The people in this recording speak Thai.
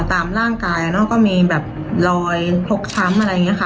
ตามร่างกายก็มีแบบรอยพกช้ำอะไรอย่างนี้ค่ะ